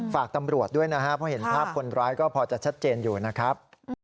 ฝากตำรวจด้วยนะครับเพราะเห็นภาพคนร้ายก็พอจะชัดเจนอยู่นะครับ